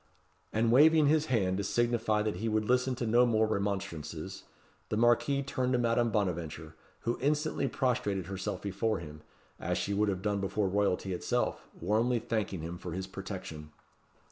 And waving his hand to signify that he would listen to no remonstrances, the Marquis turned to Madame Bonaventure, who instantly prostrated herself before him, as she would have done before royalty itself, warmly thanking him for his protection.